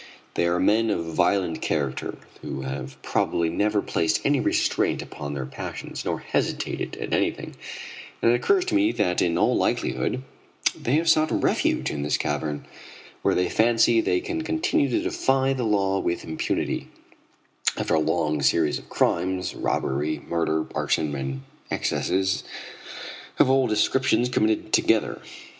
They are men of violent character who have probably never placed any restraint upon their passions, nor hesitated at anything, and it occurs to me that in all likelihood they have sought refuge in this cavern, where they fancy they can continue to defy the law with impunity, after a long series of crimes robbery, murder, arson, and excesses of all descriptions committed together.